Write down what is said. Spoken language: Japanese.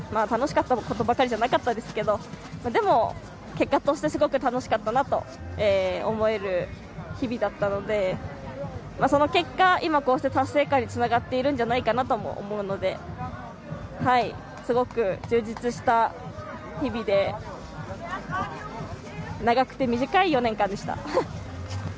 楽しかったことばかりじゃないですがでも、結果としてすごく楽しかったなと思える日々だったのでその結果、今こうして達成感につながってるんじゃないかなとも思うのですごく充実した日々で長くて短い４年間でした。